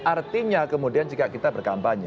artinya kemudian jika kita berkampanye